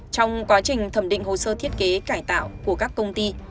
trong quá trình thẩm định hồ sơ thiết kế cải tạo của các công ty